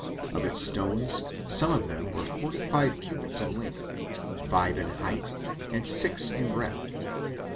Of its stones, some of them were forty five cubits in length, five in height, and six in breadth.